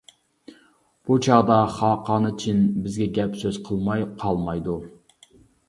بۇ چاغدا خاقانى چىن بىزگە گەپ-سۆز قىلماي قالمايدۇ.